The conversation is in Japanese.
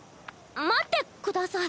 待ってください。